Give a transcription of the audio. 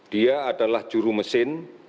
dia adalah juru mesin